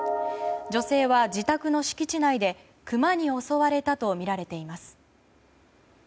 女性は自宅の敷地内で、クマに襲われたとみられています。